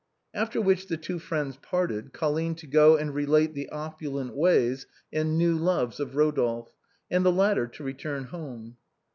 After which the two friends parted, Colline to go and relate the opulent ways and new loves of Eodolphe, and the latter to return home.